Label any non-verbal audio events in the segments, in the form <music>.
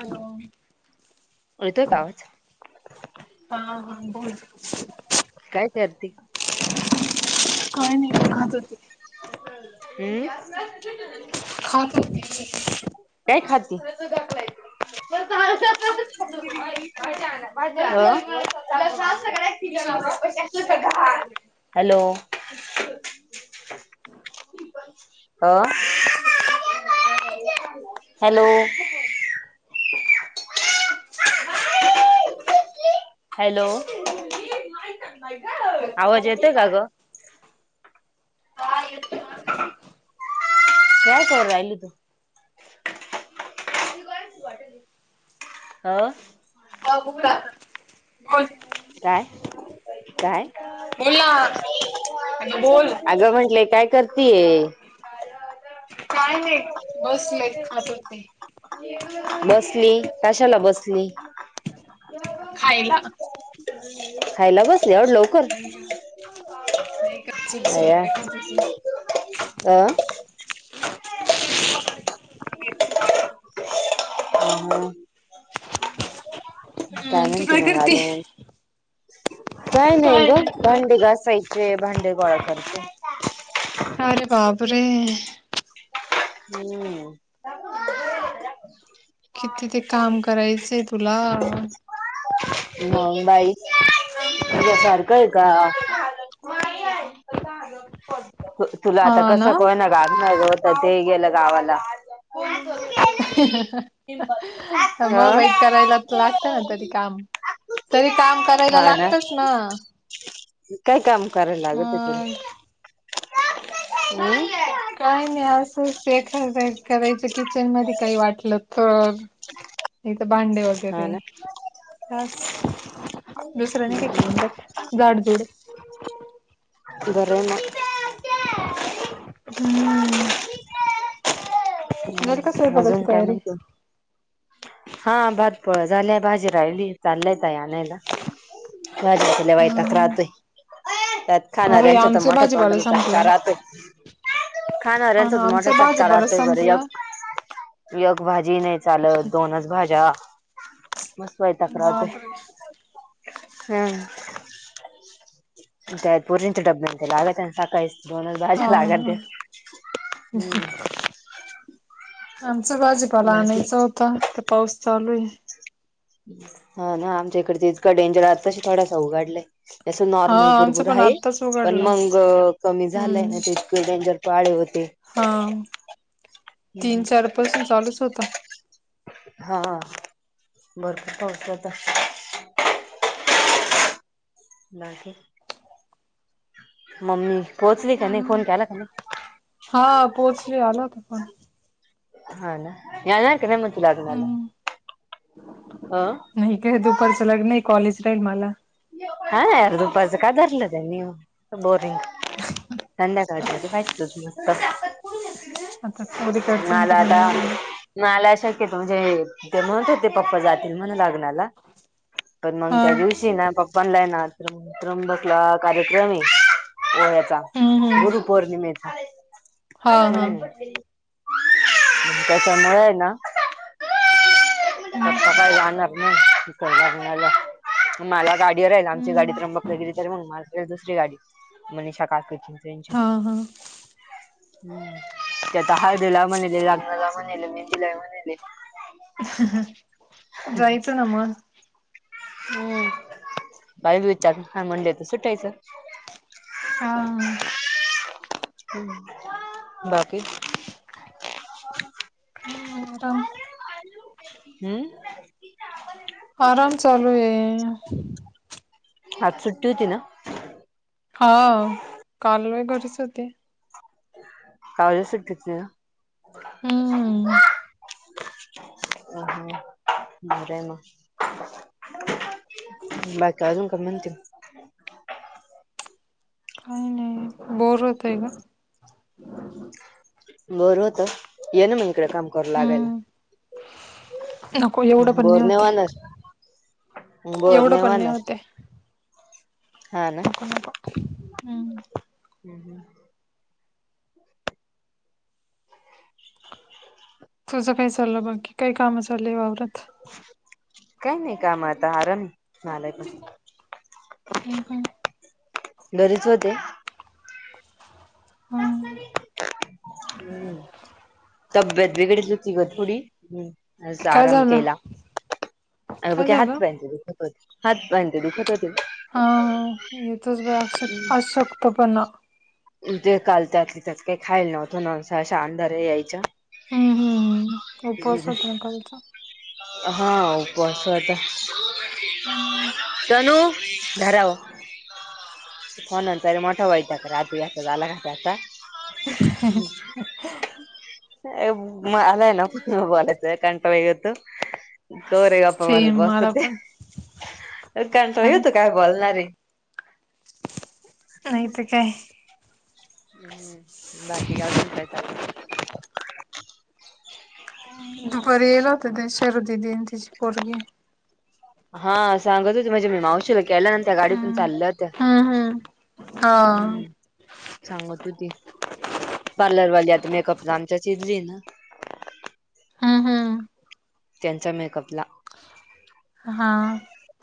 Hello येतोय का आवाज? हा हा बोल. काय करती? <unintelligible> काय नाही खात होती हम्म खात होती मी. काय खाती? चिप्त. चिप्स चिप्स <unintelligible> हॅलो ह अ हॅलो <unintelligible> हॅलो आवाज हॅलो येतो का गं? हा येतोय आवाज येतोय की काय करू राहिली तू? अ जा बुगडा काय? काय? बोल ना अगे बोल अगं म्हंटले काय... करतीये काय नाही बसले खात हो ते बसली. कशाला बसली? खायला. खायला बसली एवढ्या लवकर? आणि काय नाही का? चिप्स आया वगैरे खात होती अ हा हा हम्म काय तू म्हणती मंग करते अजून? काय नाही ग भांडे घासायचे भांडे गोळा करते. अरे बाप रे! हम्म किती ते काम करायचंय तुला? मग बाई तूझ्या सारखं ऐ का? नाही आहे. तुला हा आता कसं ना का होइना गागनार होतं ते गेलं गावाला. हा हा मग बाई करायलात लागत ना तरी काम. तरी काम करायला लागतच ना. काय काम करायला लाग तं तूला? मग हम काय नाही असंच एखाद्या वेळेस करायचे किचन मध्ये काही वाटलं तर. नाही तर भांडे हा वगैरे... ना असं दुसर नाही काय काम करत झाडं झुड. बरं ये मग हम्म झाली का अजून स्वयंपाकाची काय तयारी? म्हणते? हा भात पोळ्या झाल्या भाजी राहिली चालल्या ताई आणायला. भाजीचा लय हा वैताग राहतोय हा त्यात... हा खाणा बाई ऱ्यांच्या तर आमचा मोठा भाजीपाला तोंडाला चटका संपलाय राहतो. हा खाणाऱ्यांचा ना तर मोठा आमचा चटका भाजीपाला राहतोय बर संपला एक एक भाजी नाही.. कालच दोनच भाज्या मस वैताग राहतोय. बापरे हम् काय पोरीत त्या डब्याला लागात्याना सकाळी दोनच हा भाज्या लागात्या हम्म आमचा भाजीपाला बाकी आणायचा होता तर पाऊस चालू आहे. हा ना आमच्या इकड तर इतका डेंजर आताशी थोडासा उघडलाय. जसं हा नॉर्मल आमचं बुरबुर पण हाय आत्ताच पण उघडला मग कमी झालंय ना हम्म त्या. डेंजर पाळे होते. हा तीन हम्म चार पासून चालूच होता. हा भरपूर पाऊस होता. बाकी मम्मी काही पोहोचली का ग नाही फोन केलाका नाही. हा पोहचली आला होता फोन. हा ना येणार की नाही मग तूला अजून आला. हम्म माहिती आहे दुपारचं लग्न आहे कॉलेज राहील मला. हा यार दुपारचं का धरलं त्यानी बोरींग. संध्याकाळच ठेवा पाहिजील होत. आता पोरी कडच्यांचा मनावर आहे ना. म आल्या सारखे म्हणजे ते म्हणत होते पप्पा जातील म्हण लग्नाला पण मग हा त्या दिवशी ना पप्पांला आहे ना त्रंबकला कार्यक्रम आहे ह्याच. हम्म हम्म गुरु पौर्णिमेचा हा हा हम्. त्याच्यामुळे आहे ना. पप्पा हम्म काय जाणार नाही लग्नाला मला गा. देर ना आमची गाडी हम्म त्र्यंबकला गेली तरी मग दुसरी गाडी मनिशा काकिची. त्याची हा होती. हा त्यात हळदिला म्हणेल लग्नाला म्हणेल मेंदला म्हणेल जायचं ना मग. हम्म पाहायचं विचारून हा म्हणलं तर सुटायचं. हा. बाकी. हम् आराम हम्म. आराम चालू आहे. आज सुट्टी होती ना. हो काल मी घरीच होते. काल सुट्टी होती ना. हम्म बरं आहे मग. बाकी अजून काय म्हणते काही नाही बोर होतय का. बरं होतं ये ना मग इकडे काम करू हम्म नको लागायला एवढं पण नाही होते बोरनेवानस एवढं पण नाही बोरनेवानस, होते नको नको हम्म. हम् हम्. तुझं काय चाललं बाकी काही कामं चालय वावरात. काय नाही काम आता आराम. हम्म हम्म <unintelligible> घरीच होते. हम्म. तब्येत बिघडली. ग थोडी अस काय आराम झालं केला अ ब काय झालं हात- पा- हात- पाय ते दुखत होते. हा.. येतोच बाई अशक्त.. अशक्तपणा ते काल त्यातले त्यात काय खायला नव्हतं ना अशा -अशा अंधारी यायच्या. हम्म हम्म उपवास होता ना कालचा <inaudible> हा उपवास होता. ह्म्म हॅलो!.. धरा हो, फोनाचा मोठ वाईस करा. ते असं झाला कसा? <inaudible> ह्... ह्.. ह्.. -म आलाय ना प- बोलायचं कंटाळा येतो. तवर हे गप्पा मारत सेम मला बसतं ते, पण ह्.. ह्.. कंटाळा हा ना येतो काय बोलणारय. नाहीतर काय हम्म.. बाकी अजून काय चाललय. दुपारी <unintelligible> तिझी पोरगी. हा सांगत होते माझ्या मी मावशीला ग केलं ना त्या गाडीतून हम्म चाललं होत्या. हम्म हम्म हा हम्म सांगत होती पार्लरवाली आता मेकअप आमच्या शी.. ना हम्.. हम् त्यांच्या मेकअपला हा..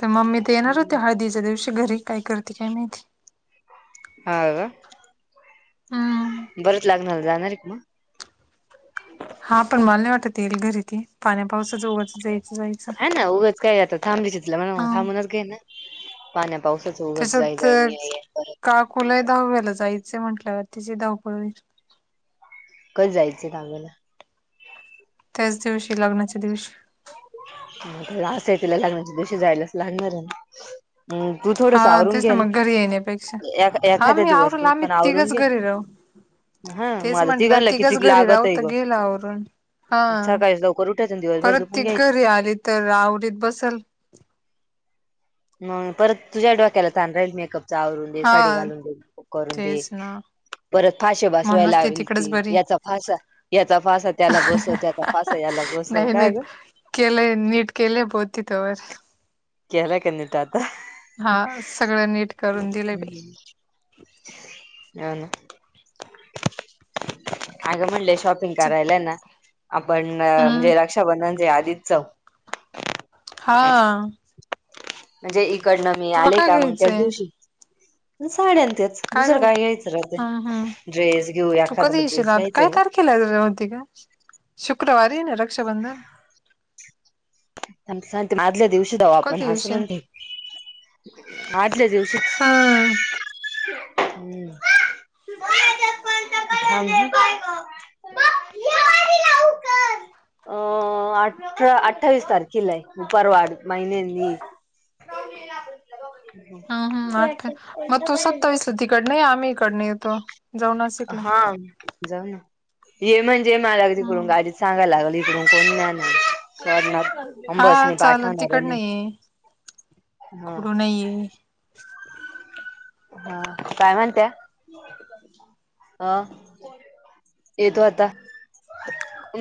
तर मम्मी ते येणार होती हळदीच्या दिवशी घरी काय करते काय माहिती. हा.. का.. भरत लग्नाला जाणार का मग? हा पण मला नाही वाटत येईल घरी इथे पाण्या- पावसाच उगाचच जाईल. हा ना उगंच काय जात थांबली चितलं हा मग थांबूनच घे ना पाण्या.. पावसच उगच जाय- जाय, ये -ये परत. कोणाच्या दहाव्याला जायचं म्हटलं तिची धावपळ होईल. कधी जायचं दहाव्याला. त्याच दिवशी.. लग्नाच्या दिवशी लास लग्नाच्या दिवशीच जायलाच लागणार आहे ना हम्.. तू थोडस हा आवरून तेच ना घेना, मग घरी येण्यापेक्षा एखा- हा एखाद्या मी दिवस आवरल तू आम्ही पण आवरून तिघच घे. घरी राहू ह.. मग तेच आता म्हंटलं तिघांना तिघच कितीक घरी राहू लागतय तर ग गेल आवरून हा सकाळी लवकर उठायचं दिवसभर परत झो ती घरी आली तर आवरीत बसल. मग परत तुझ्या डोक्याला तान जाईल मेकअप जाऊ दे हा साडी घालून मेकअप करू दे. तेच ना परत फाषे बसवायला म्हणूनच लागेल ती, तिकडच बरी याचा.. फासा, याचा.. फासा त्याला बसवत्यात. फास ह्याला बसवू‌ काय ग? केलय नीट केलय बघ तित व्यास. केलं काय नीट आता ह्.. हा सगळं नीट करून दिले बई. हो.. ना अगं म्हणल्या शिवाय शॉपिंग करायला ना, आप.. ण.. हम्म म्हणजे रक्षाबंधनाच्या आदी जाऊ. हा म्हणजे इकडं मी तुला आले काय का मग त्या घ्यायचंय दिवशी साड्या न त्याच दुसरं काय घ्यायचं राहते, हम्म हम्म ड्रेस घेऊ एखादा ड्रेस घ्यायचा ग केला होती का शुक्रवारी आहे ना रक्षाबंधन. माजल्या दिवशी जाऊ तू आपण कधी असं येशील म्हणते. आजल्या दिवशीच हम्म हम्म. बाय. <unintelligible> अ अठरा. अठ्ठावीस तारखेला आहे परवा महिन्यांनी. हम्म हम्म आठ याच्यात मग कोणता तू कलर सत्तावीस तिकड नाही आम्ही इकड नाही येतो जाऊन नाशिकला. हा जाऊ ना ये म्हणजे मला तिकडून हम्म गाडी चांगाला लागल इकडून. कोण नाही नाही कर. <unintelligible> हम्म हा बस मी चालेल पाठवणार आहे तिकडनं नाही हा. नाही. हा काय म्हणत्या ह. येतो आता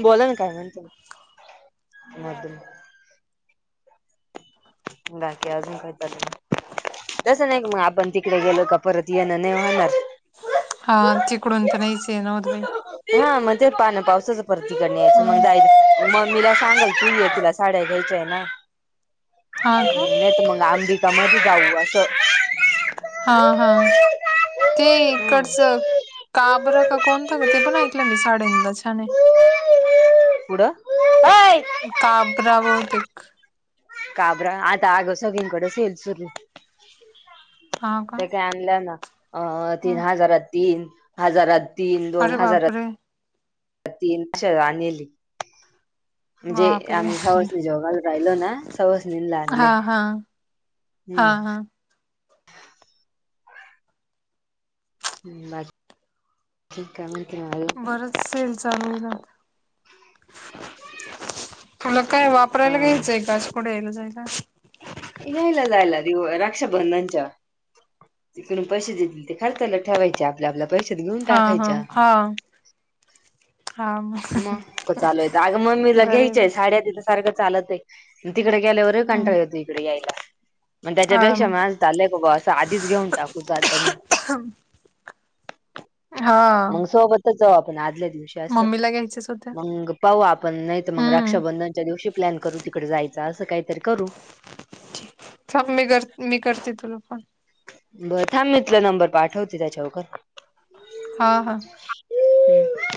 बोला ना काय म्हणतो. माझं. <unintelligible> बाकी अजून काय चालू आहे. तसं नाही मग आपण तिकडे गेलो का परत ये ना नाही होणार. हा तिकडून तर नाहीच नऊत बाई. हा म्हणजे ते पाणी पावसाचा परत तिकडं हम्म नाही यायचं मग. मीला सांगाल तू ये तुला साड्या घ्यायच्याय ना हा का नाही तर मग आम. समज जाऊ असं हा हा ते हम्म. कडसक. काबरा का कोणता का ते पण ऐकलं मी साड्यांला छान. पुढं अय काबरा बहुतेक. काबरा आता अगं सगळीकडे सेल सुरू. हा का काही आणल्या ना अ ह हजारात तीन हजारात. तीन दोन अरे हजार. बापरे तीनशे रानेली. म्हणजे बापरे आम्ही सहसणी जोगाला राहिलो ना सहसनी ला आणले. हा हा हा हम्म हा. हम्म माझी. ठीक आहे काय म्हटलं. बरच सेल चालू होईल आता. तुला काय अ वापरायला घ्यायचं आहे गच पुढे यायला जायला. यायला जायला तो रक्षाबंधनाच्या. तिकडून पैसे ते खर्चला ठेवायचे आपल्या आपल्या पैशच घेऊन हा हा टाकायच्या. हा हा मग. मग चालूयं अग मग मीला घ्यायच्याय बाई साड्या तिथ सारखं चालत आहे तिकडे गेल्यावर. लय कंटाळ हम्म येतंय इकडे यायला. मंग हा त्याच्यापेक्षा मंग झालंय असं आधीच घेऊन टाकू जातानी. हा मंग सोबतच जाऊ आपण आदल्या दिवस. मम्मीला घ्यायचेच होत्या. मग पाहू आपण नाही तर मग हम्म रक्षाबंधनच्या दिवशी प्लॅन करू तिकडे जायचं असं काहीतरी करू थाब मी कर मी करते तुला फोन बर थांब तूला नंबर पाठवते त्याच्यावरकर हा हा. हम्म.